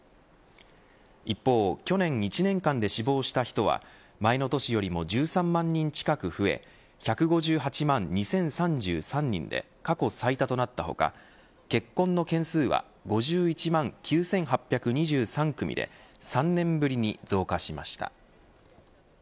一方、去年１年間で死亡した人は前の年よりも１３万人近く増え１５８万２０３３人で過去最多となった他結婚の件数は５１万９８２３組で３年ぶりに増加しました。